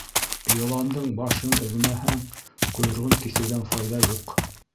Йыландың башын өҙмәһәң, ҡойроғон киҫеүҙән файҙа юҡ.